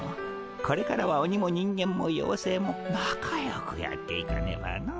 これからはオニも人間もようせいも仲よくやっていかねばの。